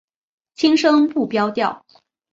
轻声不标调。